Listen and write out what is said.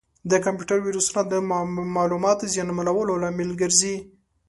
د کمپیوټر ویروسونه د معلوماتو زیانمنولو لامل ګرځي.